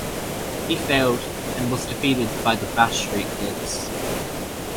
He failed, and was defeated by The Bash Street Kids.